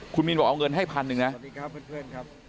คุณมีนบอกเอาเงินให้พันหนึ่งนะสวัสดีครับเพื่อนครับ